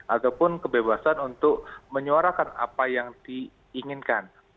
ataupun kebebasan untuk menyuarakan apa yang diinginkan